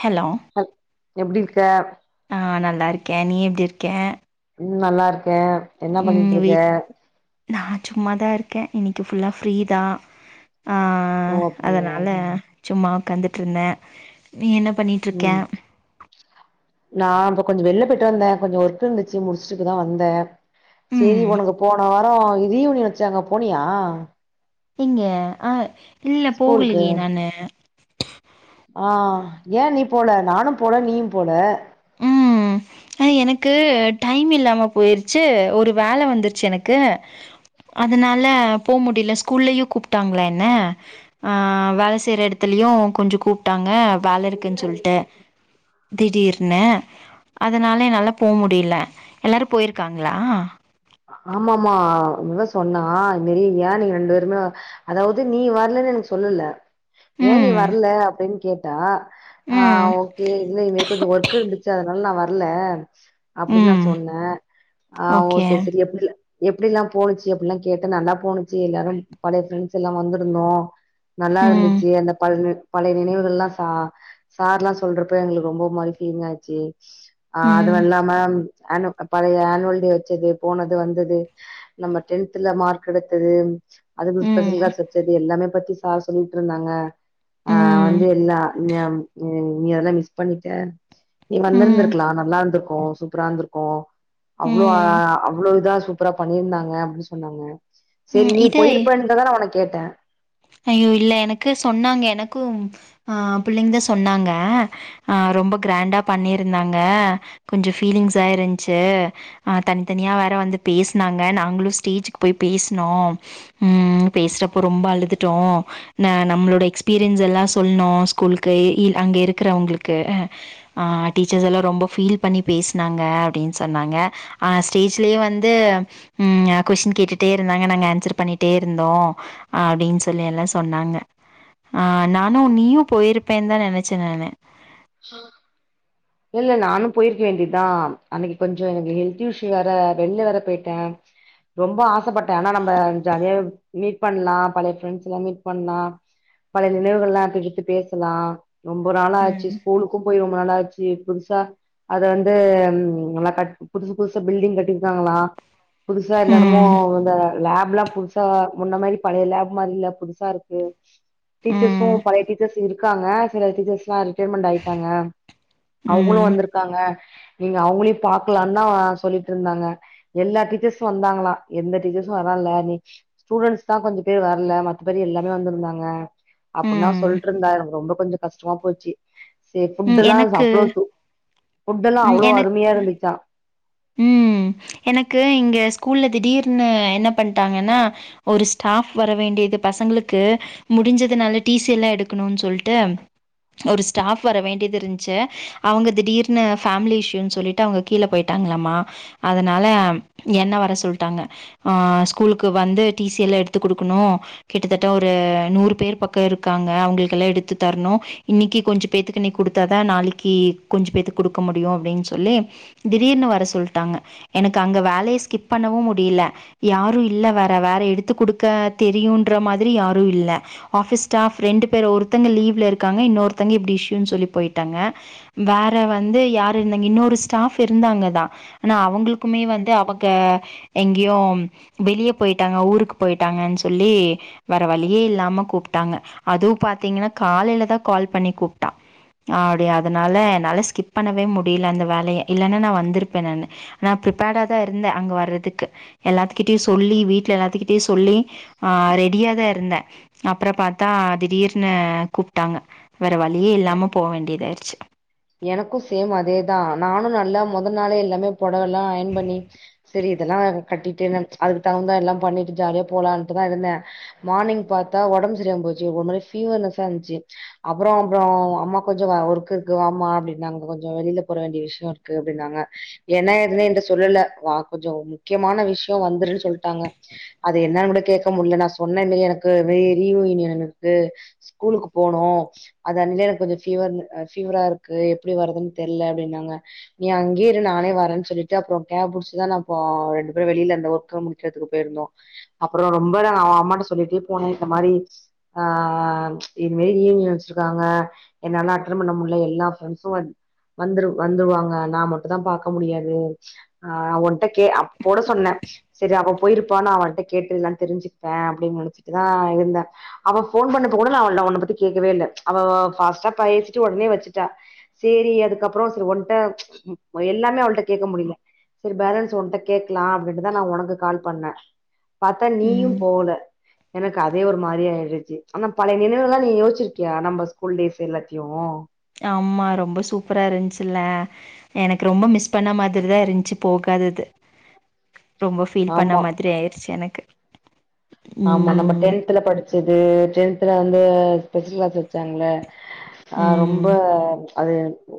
Hello ஒ எப்டி இருக்க ஆ நல்லா இருக்கே நீ எப்டி இருக்கே உம் நல்லா இருக்கே என்ன ம் பண்ணிட்டு இருக்க வித் நா சும்மா தா இருக்கே இன்னிக்கு ஃபுல்லா ஃப்ரீதா அ ஓ அப்டியா அதனால சும்மா உக்காந்துட்டு இருந்தே நீ என்ன பண்ணி உம் நா இப்ப கொஞ்சோ வெள்ல போயிட்டு வந்தே கொஞ்சோ ஒர்க் இருந்துச்சு முடிச்சுட்டு இப்பதா வந்தே சேரி ம் உனக்கு போன வாரம் ரீயூனியன் வச்சாங்க போனியா எங்க ஆ இல்ல ஸ்கூலுக்கு போகலையே நானு ஆ ஏன் நீ போல நானும் போல நீயும் போல அ எனக்கு டைம் இல்லாம போயிருச்சு ஒரு வேலை வந்துருச்சு எனக்கு அதனால போ முடில ஸ்கூல்லயு கூப்ட்டாங்களா என்ன ஆ வேலை செய்ற எடத்துலயையு கொஞ்சோ கூப் டாங்க வேலை இருக்குன்னு சொல்ட்டு திடீர் னே அதனால என்னால போ முடில எல்லாரு போயிருக்காங்ளா ஆமா ஆமா இவ சொன்னா இந்த மாறி ஏன் நீங்க ரெண்டு பேருமே அதாவது நீ வர்லன்னு எனக்கு சொல்லல ஏன் நீ ம் வர்ல அப்டின்னு கேட்டா ஆ ம் ஓகே இன்னு இது மாறி கொஞ்சோ ஒர்க் இருந்துச்சு அதனால நா வர்ல அப்படின்னு நா ம் சொன்னே ஆ ஓ ஓகே சரி சரி எப்டி எப்டி ல்லாம் போச்சு அப்டில்லா கேட்டு நல்லா போணுச்சு எல்லாரும் பழைய ஃப்ரெண்ட்ஸ் எல்லா வந்திருந்தோ நல்லா ம் இருந்துச்சு அந்த பழ பழைய நினைவுகள் எலாம் சா சார் எல்லா சொல்ற்ப்ப எங்களுக்கு ரொம்ப மாறி பீலிங் ஆச்சு அ அதுவு ம் இல்லாம பழைய ஆனுவல் டே வச்சது போனது வந்தது நம்ம டென்த்ல மார்க் எடுத்தது அதுக் கூட ஸ்பெஷல் ம் கிளாஸ் வச்சது எல்லாமே பத்தி சார் சொல்லிட்டு இருந்தாங்க ஆ ம் வந்து எல்லா அண்ணே நீ அதமிஸ் பண்ணிட்ட நீ ம் வந்திருந்திருக்கலா நல்லா இருந்திருக்கும் சூப்பரா இருந்திருக் கும் அவ்ளோ ம் அவ்ளோ இதா சூப்பரா பண்ணியிருந்தாங்க அப்டின்னு சொன்னாங்க சேரி ம் நீ போயிருப்பேன்ட்டுதா நா உன்ன கேட்டே ஐய்யோ இல்ல எனக்கு சொன்னாங்க எனக்கும் ஆ பிள்ளைங்கதா சொன்னாங்க அ ரொம்ப கிராண்டா பண்ணியிருந்தாங்க கொஞ்சோ ஃபீலிங்ஸா இருன்ச்சு ஆ தனித்தனியா வேற வந்து பேசுனாங்க நாங்களு ஸ்டேஜுக்கு போய் பேசுனோ உம் உம் பேசுறப்ப ரொம்ப அழுதுட்டோ ந நம்மளோட எக்ஸ்பீரியன்ஸ் எல்லா சொல்னோ ஸ்கூலுக்கு இல் அங்க இருக்கிறவங்களுக்கு அ ஆ டீச்சர்ஸ் எல்லா ரொம்ப ஃபீல் பண்ணி பேசினாங்க அப்டின்னு சொன்னாங்க ஆ ஸ்டேஜ்லயே வந்து ம் கொஸ்டின் கேட்டுட்டே இருந்தாங்க நாங்க ஆன்சர் பண்ணிட்டே இருந்தோ அப்படின் சொல்ல சொல்லி எல்லா சொன்னாங்க ஆ நானும் நீயு போயிருப்பேன் தா நெனைச்சே நானு ஹ இல்ல நானு போயிருக்க வேண்டியதுதா அன்னைக்கு கொஞ்சோ எனக்கு ஹெல்த் இஷ்யூ வேற வெளியில வேற போயிட்டே ரொம்ப ஆசைப்பட்டே ஆனா நம்ம ஜாலியா மீட் பண்லா பழைய ஃப்ரெண்ட்ஸ் எல்லா மீட் பண்லா பழைய நினைவுகள் எல்லா எடுத்து எடுத்து பேசலா ரொம்ப நாள் ஆச்சு ம் ஊருக்கு போய் ரொம்ப நாள்ளாச்சு புதுசா அது வந்து நல்லா கட் புதுசு புதுசா பில்டிங் கட்டிருக்காங்களா புதுசா என்னன்னமோ ம் வந்த லேப்லா புதுசா முன்ன மாதிரி பழைய லேப் மாதிரி இல்ல புதுசா இருக்கு ம் டீச்சர்ஸும் பழைய டீச்சர்ஸ் இருக்காங்க சில டீச்சர்ஸ்லா ரிட்டய்ர்மென்ட் ங்க அவங்களு ம் வந்திருக்காங்க நீங்க அவங்களையும பாக்கலான் தா சொல்லிட்டு இருந்தாங்க எல்லா டீச்சர்ஸு வந்தாங்களா எந்த டீச்சர்ஸும் வரால நீ ஸ்டூடெண்ட்ஸ் தா கொஞ்சோ பேர் வரல மத்த பேர் எல்லாமே வந்திருந்தாங்க அப்டின்னா ம் சொல்லிட்டு இருந்தா எனக்கு ரொம்ப கொஞ்சோ கஷ்டமா போச்சு சரி புட் ம் எல்லா எனக்கு சப்ளோட்டு புட் எல்லா ம் அவ்வளோ எனக் அருமையா இருந்துச்சா ம் எனக்கு இங்க ஸ்கூல்ல திடீர்னு என்ன பண்ட்டாங்கன்னா ஒரு ஸ்டாப் வர வேண்டியது பசங்களுக்கு முடிஞ்சதுனால டீசி எல்லா எடுக்கணுன்னு சொல்லிட்டு ஒரு ஸ்டாஃப் வர வேண்டியது இருந்துச்சு அவங்க திடீர்னு பேமிலி இஷயூனு சொல்லிட்டு அவங்க கீழே போய்ட் ட்டாங்களாமா அதனால என்ன வர சொல்ட்டாங்க ஆ ஸ்கூலுக்கு வந்து டிசி எல்லா எடுத்து கொடுக்கணு கிட்டத்தட்ட ஒரு நூறு பேர் பக்கோ இருக்காங்க அவங்களுக்கெல்லா எடுத்து தரணு இன்னைக்கு கொஞ்சோ பேத்துக்கு நீ கொடுத்தாதான் நாளைக்கு கொஞ்சோ பேத்து கொடுக்க முடியு அப்டின்னு சொல்லி திடீர்னு வர சொல்லிட்டாங்க எனக்கு அங்கே வேலையை ஸ்கிப் பண்ணவு முடியல யாரு இல்ல வேற வேற எடுத்து குடுக்க தெரியுன்ற மாதிரி யாரு இல்ல ஆஃ பிஸ் ஸ்டாஃப் ரெண்டு பேர் ஒருத்தங்க லீவ்ல இருக்காங்க இன்னொருத்தங்க இப்டி இஷயூன்னு சொல்லி போயிட்டாங்க வேற வந்து யார் இருந்தாங்க இன்னொரு ஸ்டாஃப் இருந்தாங்கதா ஆனா அவங்களுக்குமே வந்து அவங்க எங்கேயோ வெளியே போயிட்டாங்க ஊருக்கு போயிட்டாங்கன்னு சொல்லி வேற வழியே இல்லாம கூப்ட்டாங்க அதுவு பார்த்தீங்கன்னா காலையிலதா கால் பண்ணி கூப்ட்டான் அ அப்படியா அதனால என்னால ஸ்கிப் பண்ணவே முடியல அந்த வேலைய இல்லைனா நா வந்திருப்பே நானு நா ப்ரிப்பேர்டா தா இருந்தே அங்கே வர்றதுக்கு எல்லாத்துக்கிட்டயு சொல்லி வீட்ல எல்லாத்துக்கிட்டயு சொல்லி ஆ ரெடியா தா இருந்தே அப்றம் பார்த்தா திடீர்னு கூப்ட்டாங்க வேற வழியே இல்லாம போக வேண்டியதாயிடுச்சு எனக்கும் சேம் அதேதா நானு நல்லா முதல் நாளே எல்லாமே புடவெல்லா அயன் பண்ணி சரி இதெல்லா கட்டிட்டே நானு அதுக்கு தகுந்தா எல்லா பண்ணிட்டு ஜாலியா போலான்ட்டுதா இருந்தே மார்னிங் பார்த்தா உடம்பு சரியாம போச்சு ஒரு மாதிரி பீவர்னஸ்ஸா இருந்துச்சு அப்றோ அப்றோ அம்மா கொஞ்சோ ஒர்க் இருக்கு வாம்மா வா அப்டின்னாங்க கொஞ்சோ வெளில போற வேண்டிய விஷ்யோ இருக்கு அப்படின்னாங்க என்ன ஏதுன்னு என்ட்ட சொல்லல வா கொஞ்சோ முக்கியமான விஷயம் வந்துருன்னு சொல்லிட்டாங்க அது என்னன்னு கூட கேக்க முட்ல நா சொன்னேன்லையே எனக்கு வெ ரியூனியன் இருக்கு ஸ்கூலுக்கு போனும் அத அன்னிலேர்க்கு எனக்கு கொஞ்சோ ஃபீவர் ஃபீவரா இருக் க்கு எப்டி வரதுன்னு தெர்ல அப்டின்னாங்க நீ அங்கேய இரு நானே வரேன் சொல்லிட்டு அப்பறோ கேப் புடிச்சுதா நா இப்போ ரெண்டு பேரும் வெளியில இருந்த ஒர்க்க முடு கெர்துக்கு போயிருந்தோ அப்பறோ ரொம்ப இத அவ அவன் அம்மாட்ட சொல்லிட்டே போனே இந்த மாரி ஆ ஆ இது மாரி ரியூனியன் வச்சுருக்காங்க என்னால அட்டன் பண்ண முட்ல எல்லா ப்ரெண்ட்ஸு வன்ட் வந்துரு வந்துருவாங்க நா மட்டுந்தா பாக்க முடியாது ஆ ஒன்ட்ட கே அப் போட சொன்னே செரி அவ போயிருப்பான்னு அவன்கிட்ட கேட்டு இதுதா தெருஞ்சுப்பே அப்டின்னு நெனச்சுட்டு தா இருந்தே அவ போன் பண்ணப்ப கூட நா அவ உன்ன நா பத்தி கேக்கவே இல்ல அவ வ பாஸ்ட்டா பேசிட்டு ஒடனே வச்சுட்டா சேரி அதுக்கப்பறோ சேர் ஒன்ட எல்லாமே அவள்ட்ட கேக்க முடியும் செரி பேலன்ஸ் உன்ட்ட கேக்கல அப்டின்ட்டு தா நா உனக்கு கால் பண்ணே பாத்தா நீயும் ம் போல எனக்கு அதே ஒரு மாதிரி ஆயிடுச்சு ஆனா பழைய நினைவுல்லா நீ யோச்சுருக்கியா நம்ம ஸ்கூல் டேஸ் எல்லாத்தையு ஆமா ரொம்ப சூப்பரா இருந்துச்சுல எனக்கு ரொம்ப மிஸ் பண்ண மாதிரி தா இருந்துச்சு போகாதது ரொம்ப ஃபீல் பண்ண ஆமா மாதிரி ஆயிருச்சு எனக்கு ஆமா நம்ம ம் டென்த்துல படிச்சது டென்த்துல வந்து ஸ்பெஷல் க்ளாஸ் வச்சாங்கல ஆ ரொம்ப ம் அது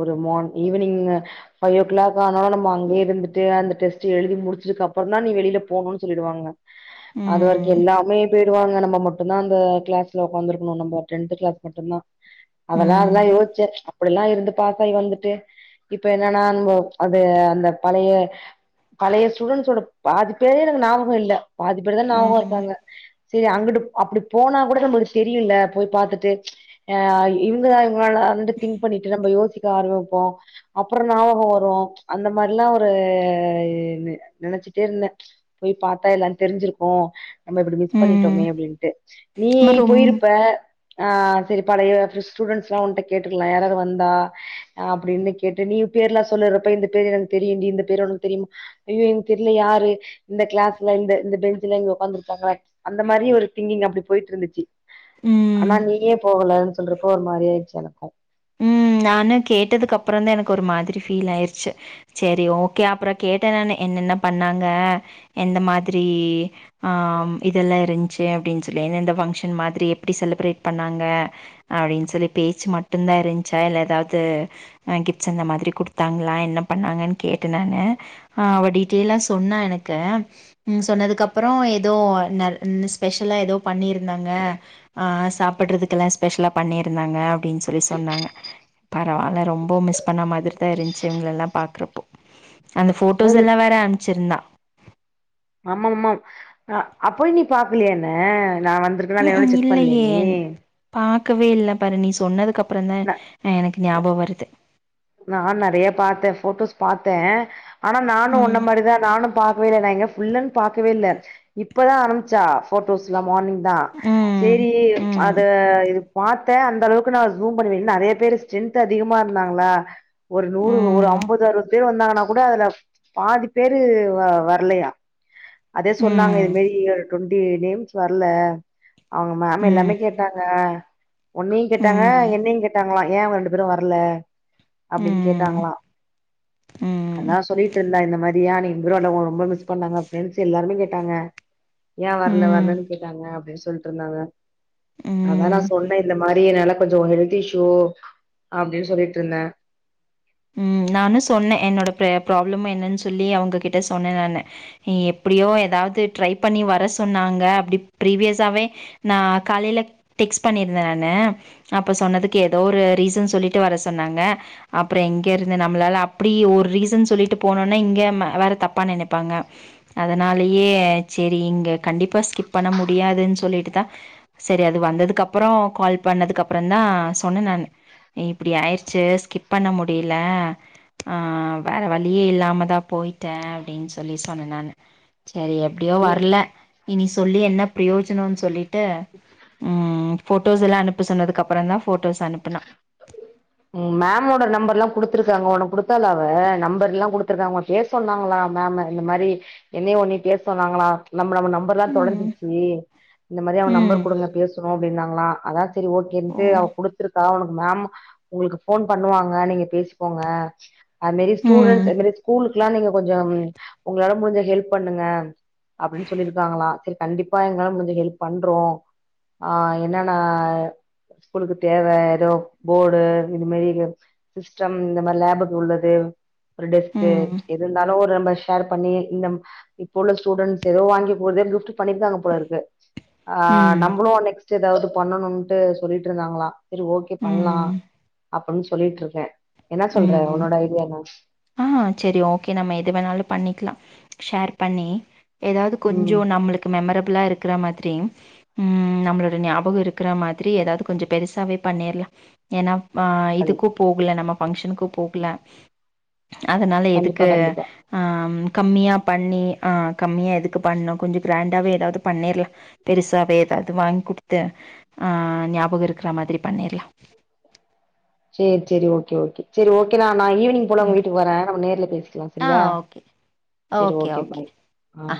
ஒரு மான் ஈவினிங்கு ஃபைவ் ஓ க்ளாக் ஆனாலு நம்ம அங்கயே இருந்துட்டு அந்த டெஸ்ட் எழுதி முடிச்சதுக்கு அப்பறந்தா நீ வெளில போணுன்னு சொல்லிடுவாங்க அது வரைக்கு ம் அப்பையே போய்ருவாங்க நம்ம மட்டுந்தா அந்த க்ளாஸ்ல ஒக்காந்து இருக்கணு நம்ம டென்த்து க்ளாஸ் மட்டுந்தா அதல்லா ம் அதல்லா யோச்சே இப்டில்லா இருந்து பாசாகி வந்துட்டு இப்ப என்னன்னா நம்ம அது அந்த பழைய பழைய ஸ்டூடென்ஸ்சோட பாதிப் பேரே எனக்கு நாபகோ இல்ல பாதிப்பேருதா நாவகோ ம் இருக்காங்க செரி அங்குட்டு அப்டி போனா கூட நம்மளுக்கு தெரியுல்ல போய் பாத்துட்டு எ அ இவுங்க தா இவுங்களால வந்து திங்க் பண்ணிட்டு நம்ம யோசிக்க ஆரம்பிப்போ அப்பறோ நாவகம் வரு அந்த மாரில்லா ஒரு நெனச்சுட்டே இருந்தே போய் பாத்தா எல்லா தெரிஞ்சிருக்கு நம்ம இப்டி மிஸ் ம் பண்ணிட்டோமே அப்டின்ட்டு நீ ரொம்ப போயிருப்ப ஆ செரி பழைய ஸ்டூடெண்ட்ஸ்லா ஒன்ட்ட கேட்டுக்கல்லா யாராரு வந்தா அப்டின்னு கேட்டு நீ பேர்லா சொல்லுறப்ப இந்த பேரு எனக்கு தெரியுன்டி இந்த பேரு உனக்கு தெரியுமா ஐயோ எனக்கு தெர்ல யாரு இந்த க்ளாஸ்ல இந்த இந்த பெஞ்சுல இங்க ஒக்காந்துருப் அந்த மாரியே ஒரு திங்கிங் அப்டி போயிட்ருந்துச்சு ம் ஆனா நீயே போகலன்னு சொல்றப்போ ஒரு மாரி ஆயிடுச்சு எனக்கு ம் நானு கேட்டதுக்கு அப்பறந்தா எனக்கு ஒரு மாதிரி ஃபீல் ஆயிருச்சு செரி ஓகே அப்பறோ கேட்டே நானு என்னென்ன பண்ணாங்க எந்த மாதிரி ஆம் இதெல்லா இருந்துச்சு அப்டின்னு சொல்லி எந்தெந்த பங்ஷன் மாதிரி எப்டி செலிப்ரேட் பண்ணாங்க அப்டின்னு சொல்லி பேச்சு மட்டுந்தா இருந்துச்சா இல்ல எதாவது அ கிப்ட்ஸ் அந்த மாதிரி குடுத்தாங்களா என்ன பண்ணாங்கன்னு கேட்டே நானு ஆ அவ டீட்டெய்ல்லா சொன்னா எனக்கு ம் சொன்னதுக்கு அப்பறோ எதோ நர் இன்னு ஸ்பெஷலா எதோ பண்ணியிருந்தாங்க ஆ சாப்புட்றதுக்கு எல்லா ஸ்பெஷலா பண்ணி இருந்தாங்க அப்டின்னு சொல்லி சொன்னாங்க பரவால்ல ரொம்ப மிஸ் பண்ண மாதிரி தா இருந்துச்சு இவுங்களெல்லா பார்க்குறப்போ அந்த போட்டோஸ் அது எல்லா வேற அனுப்ச்சிருந்தா ஆமா ஆமா அப்போ நீ பாக்கலயா என்ன நா வந்திருக் வந்து இருக்கான்னா ம் இல்லையான்னு ம் கூட செக் பண்ணலயா இல்லையே நீ பாக்கவே இல்ல பாரு நீ சொன்னதுக்குப்பற தா நா எனக்கு ஞாயபக வருது நா நெறைய பாத்த போட்டோஸ் பாத்த ஆனா நானு ஒன்ன ம் மாரிதா நானு பாக்கவே இல்ல நா எங்க உள்ளனு பாக்கவே இல்ல இப்பதா ஆரம்பிச்சா போட்டோஸ்லா மார்னிங் தா ம் சேரி ம் அத இது பார்த்த அந்த அளவுக்கு நா ஜூம் பண்ணுவ நெறைய பேரு ஸ்ட்ரென்த் அதிகமா இருந்தாங்களா ஒரு நூறு ஒரு ம் அம்பது அறுபது பேர் வந்தாங்கன்னா கூட அதுல பாதி பேரு வ வரலயா அதே சொன்னாங்க ம் இதுமாரி டொவெண்டி நேம்ஸ் வரல அவங்க மேம் எல்லாமே ம் கேட்டாங்க உன்னையு கேட்டாங்க ம் என்னையு கேட்டாங்களா ஏய அவங்க ரெண்டு பேரு வரல அப்டின்னு ம் கேட்டாங்களா ம் அதா சொல்லிட்டு இருந்தா இந்த மாதிரியா நீ இப்ராடல ஒ ரொம்ப மிஸ் பண்ணாங்க ஃப்ரண்ட்ஸ் எல்லாருமே கேட்டாங்க ஏய வரல ம் வரலன்னு கேட்டாங்க அப்டின்னு சொல்லிட்டு இருந்தாங்க அதா நா ம் சொன்ன இந்த மாதிரி என்னால கொஞ்ச ஹெல்த் இஷ்யூ அப்டின்னு சொல்லிட்டு இருந்த ம் நானு சொன்ன என்னோட ப்ராப்ளம் என்னன்னு சொல்லி அவங்ககிட்ட சொன்ன நானு நீ எப்டியோ ஏதாவது ட்ரை பண்ணி வர சொன்னாங்க அப்டி ப்ரீவியஸாவே நா காலையில டெக்ஸ்ட் பண்ணிருந்த நானு அப்ப சொன்னதுக்கு ஏதோ ஒரு ரீசன் சொல்லிட்டு வர சொன்னாங்க அப்பற எங்க இருது நம்மளால அப்டி ஒரு ரீசன் சொல்லிட்டு போனோனா இங்க வேற தப்பா நினைப்பாங்க அதனாலயே சரி இங்க கண்டிப்பாக ஸ்கிப் பண்ண முடியாதுன்னு சொல்லிட்டு தா சரி அது வந்ததுக்குப்பற கால் பண்ணதுக்கு அப்பற தா சொன்ன நான்னு இப்டி ஆயிறுச்சு ஸ்கிப் பண்ண முடில ஆஹ் வேற வழியே இல்லாமதா போயிட்ட அப்டின்னு சொல்லி சொன்ன நான்னு சேரி அப்டியோ வரல இனி சொல்லி என்ன பிரயோஜனனு சொல்லிட்டு ம் போட்டோஸ் எல்லா அனுப்ப சொன்னதுக்கு அப்பற தா போட்டோஸ் அனுப்புனா மேமோட நம்பர்ல்லா குடுத்ருக்காங்க உனக்கு குடுத்தாலா அவ நம்பர் எல்லா குடுத்தருக்காங்க பேசொன்னாங்களா மேம் இந்த மாரி என்னயு ஒன்னயு பேச சொன்னாங்களா நம்ம நம்ம நம்பர்ல்லா ம் தொலஞ்சிருச்சு இந்த மாரி அவ ம் நம்பர் கொடுங்க பேசணு அப்டின்னாங்களா அதா சரி ஓ ஓகேன்ட்டு அவ குடுத்திருக்கா உனக்கு மேம் உங்களுக்கு போன் பண்ணுவாங்க நீங்க பேசிப்போங்க அது மெரி ம் ஸ்டூடண்ட்ஸ் அது மெரி ஸ்கூலுக்குல்லா நீங்க கொஞ்ச உங்களால முடிஞ்ச ஹெல்ப் பண்ணுங்க அப்டின்னு சொல்லியிருக்காங்களா சரி கண்டிப்பா எங்களால முடிஞ்ச ஹெல்ப் பண்றோ ஆஹ் என்னன்னா ஸ்கூலுக்கு தேவ ஏதோ போடு இந்த மாதிரி இங்க சிஸ்டம் இந்த மாதிரி லேபுக்கு உள்ளது ஒரு டெஸ்க்கு ம் எது இருந்தாலு ஒரு நம்ம ஷேர் பண்ணி இந்த இப்ப உள்ள ஸ்டூடண்ட்ஸ் ஏதோ வாங்கி போதோ கிஃப்ட் பண்ணிருங்காங்க போல இருக்கு ஆஹ் ம் நம்மளு நெக்ஸ்ட் ஏதாவது பண்ணணும்ட்டு சொல்லிட்டு இருந்தாங்களா சரி ஓகே பண்ணலா ம் அப்டின்னு சொல்லிட்டு இருக்க என்ன சொல்ற உன்னோட ஐடியா என்ன ஆஹ் சேரி ஓகே நம்ம எது வேணாலு பண்ணிக்கலா ஷேர் பண்ணி ஏதாவது கொஞ்ச நம்மளுக்கு மெம்ரபிளா இருக்குற மாதிரி ம் நம்மளோட ஞாபக இருக்கிற மாதிரி ஏதாவது கொஞ்ச பெருசாவே பண்ணிடலா ஏன்னா ஆஹ் ம் இதுக்கு போகல நம்ம பங்க்ஷனுக்கு போகல அதனால கண்டிப்பா எதுக்கு கண்டிப்பா ஆம் கம்மியா பண்ணி ஆ கம்மியா எதுக்கு பண்ணணு கொஞ்ச கிராண்டாவே எதாவது பண்ணிரலா பெருசாவே எதாவது வாங்கி குடுத்து ஆ ஞாபக இருக்கிறா மாதிரி பண்ணிர்லா சேரி சேரி ஓகே ஓகே சேரி ஓகே நா நான் ஈவினிங் போல உங்க ம் வீட்டுக்கு வரே நம்ம நேர்ல பேசிக்கலா ஆ சரியா ஓகே. செரி ஓகே பாய் ஆ